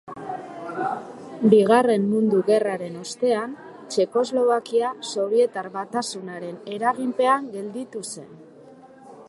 Bigarren Mundu Gerraren ostean, Txekoslovakia Sobietar Batasunaren eraginpean gelditu zen.